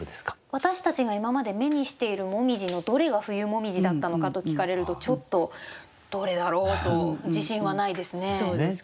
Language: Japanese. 私たちが今まで目にしている紅葉のどれが冬紅葉だったのかと聞かれるとちょっとどれだろう？と自信はないですね。